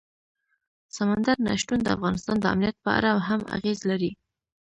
سمندر نه شتون د افغانستان د امنیت په اړه هم اغېز لري.